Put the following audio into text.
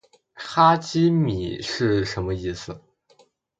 哈基米是什么意思？